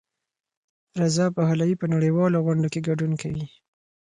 رضا پهلوي په نړیوالو غونډو کې ګډون کوي.